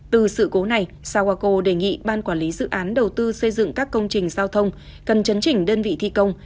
từ sự cố này sawako đề nghị ban quản lý dự án đầu tư xây dựng các công trình giao thông cần chấn chỉnh đơn vị thi công